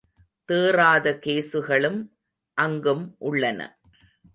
தேறாத கேசுகளும் அங்கும் உள்ளன.